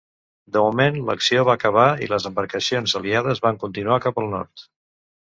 De moment, l'acció va acabar i les embarcacions aliades va continuar cap al nord.